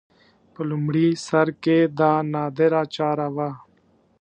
په لومړي سر کې دا نادره چاره وه